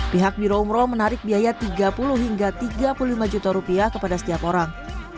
pihak biro umroh menarik biaya tiga puluh hingga tiga puluh lima juta rupiah kepada setiap orang